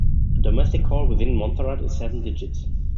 A domestic call within Montserrat is seven digits.